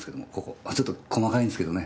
ちょっと細かいんですけどね。